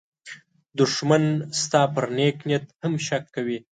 دښمن ستا پر نېک نیت هم شک کوي